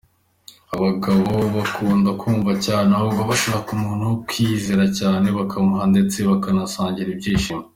Abagabo bakunda kumvwa cyane nabo, bashaka umuntu wo kwizera cyane, bakaruhukana ndetse bakanasangira ibyishimo.